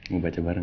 mau baca bareng